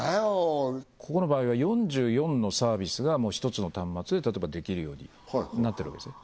ここの場合は４４のサービスが１つの端末で例えばできるようになってるわけですよ